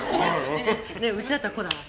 ねえうちだったらこうだな。